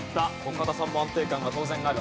岡田さんも安定感が当然ある。